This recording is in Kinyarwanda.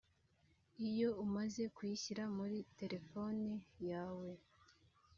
Iyo umaze kuyishyira muri telefone yawe